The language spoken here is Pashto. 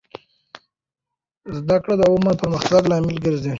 زده کړه د عمر د پرمختګ لامل ګرځي.